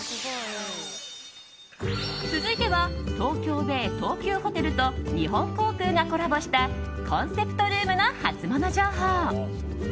続いては、東京ベイ東急ホテルと日本航空がコラボしたコンセプトルームのハツモノ情報。